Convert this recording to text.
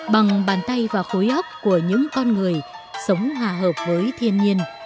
bằng bàn tay và khối ốc của những con người sống hòa hợp với thiên nhiên